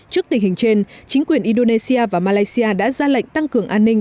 trước tình hình trên chính quyền indonesia và malaysia đã ra lệnh tăng cường an ninh